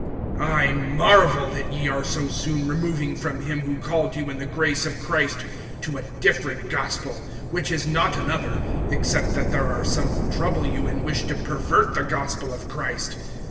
(6)I marvel that ye are so soon removing from him who called you in the grace of Christ, to a different gospel; (7)which is not another, except that there are some who trouble you, and wish to pervert the gospel of Christ.